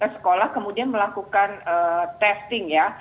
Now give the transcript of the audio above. sekolah kemudian melakukan testing ya